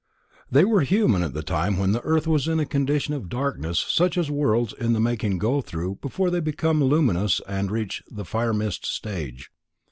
They were human at the time when the earth was in a condition of darkness such as worlds in the making go through before they become luminous and reach the firemist stage.